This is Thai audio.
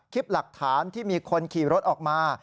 คลิปหลักฐานที่มีคนขี่รถออกมา